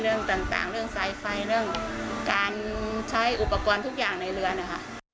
เรื่องต่างเรื่องสายไฟเรื่องการใช้อุปกรณ์ทุกอย่างในเรือนะคะ